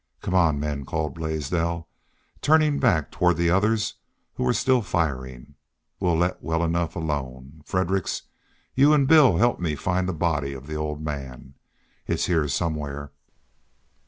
"Come on, men!" called Blaisdell, turning back toward the others who were still firing. "We'll let well enough alone.... Fredericks, y'u an' Bill help me find the body of the old man. It's heah somewhere."